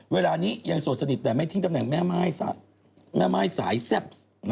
เวลานี้ยังโสดสนิทแต่ไม่ทิ้งตำแหน่งแม่ม่ายสายแซ่บ